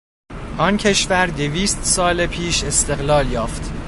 آن کشور دویست سال پیش استقلال یافت.